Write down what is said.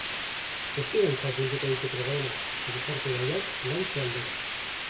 Testigantzak bilduko ditu programak, gizarte gaiak lantze aldera.